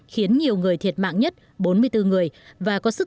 khiến nhiều người thiệt mạng nhất bốn mươi bốn người